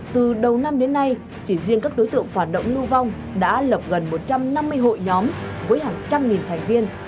từ đầu năm đến nay chỉ riêng các đối tượng phản động lưu vong đã lập gần một trăm năm mươi hội nhóm với hàng trăm nghìn thành viên